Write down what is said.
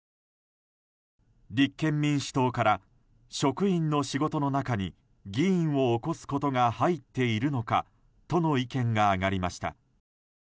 立憲民主党から職員の仕事の中に議員を起こすことが入っているのかとの意見が上がりました。